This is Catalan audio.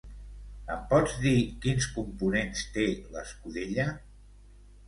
Em pots dir quins components té l'escudella?